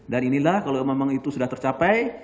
dan inilah kalau memang itu sudah tercapai